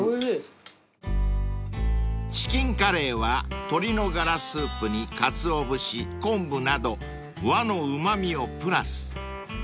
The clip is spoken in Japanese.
［チキンカレーは鶏のがらスープにかつお節コンブなど和のうま味をプラス］